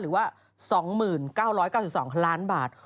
หรือว่า๒๙๙๒ล้านบาท